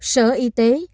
sở y tế